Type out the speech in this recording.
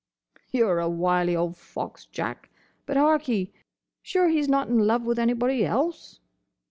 "You 're a wily old fox, Jack. But, hark'ee! Sure he's not in love with anybody else?"